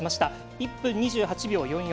１分２８秒４４。